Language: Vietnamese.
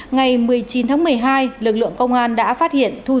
ngày một mươi chín tháng một mươi hai lực lượng công an đã phát hiện